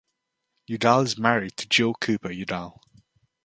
Udall is married to Jill Cooper Udall.